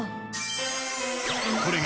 ［これが］